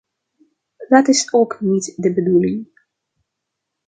Dat is ook niet de bedoeling.